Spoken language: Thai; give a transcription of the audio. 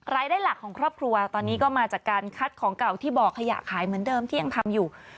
รายได้หลักของครอบครัวตอนนี้ก็มาจากการคัดของเก่าที่บ่อขยะขายเหมือนเดิมที่ยังทำอยู่